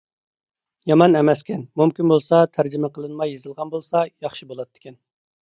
يامان ئەمەسكەن. مۇمكىن بولسا تەرجىمە قىلىنماي يېزىلغان بولسا ياخشى بولاتتىكەن.